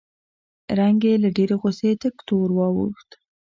رنګ یې له ډېرې غوسې تک تور واوښت